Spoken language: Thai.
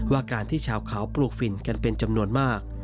ว่าการที่ชาวเขาปลูกฝิ่นกันเป็นจำนวนมาก